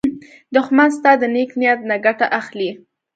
دښمن ستا د نېک نیت نه ګټه اخلي